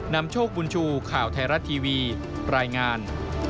นำโชคบุญชูข่าวไทยรัฐทีวีรายงาน